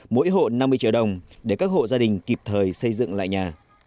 mỗi hộ năm mươi triệu đồng để các hộ gia đình kịp thời xây dựng lại nhà